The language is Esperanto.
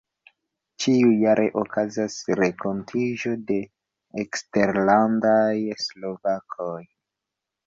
Ĉiujare okazas renkontiĝo de eksterlandaj slovakoj.